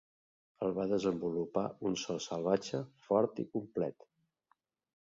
El va desenvolupar un so salvatge, fort i complet.